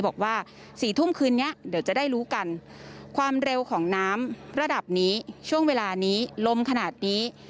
บอกว่า๔ทุ่มคืนนี้เดี๋ยวจะได้รู้กันความเร็วของน้ำระดับนี้ช่วงเวลานี้ลมขนาดนี้